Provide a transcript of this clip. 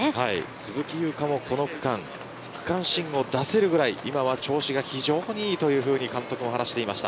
鈴木もこの区間区間新を出せるぐらい今は調子が非常にいいと監督も話していました。